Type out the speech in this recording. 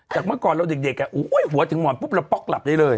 จากเมื่อก่อนเราเด็กอ่ะหัวถึงหวานปุ๊บแล้วป๊อกหลับได้เลย